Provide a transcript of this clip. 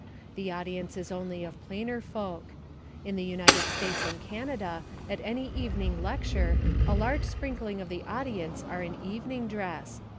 The audience is only of plainer folk. In the United States and Canada at any evening lecture a large sprinkling of the audience are in evening dress.